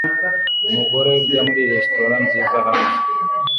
Umugore urya muri resitora nziza hanze